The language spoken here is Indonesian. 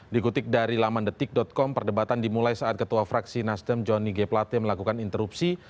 dikutip dari lamandetik com perdebatan dimulai saat ketua fraksi nasdem johnny g plate melakukan interupsi